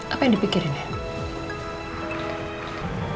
apa yang dipikirin dem